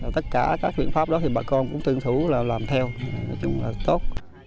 tất cả các biện pháp đó thì bà con cũng tương thủ là làm theo nói chung là tốt